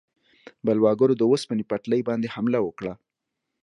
بلواګرو د اوسپنې پټلۍ باندې حمله وکړه.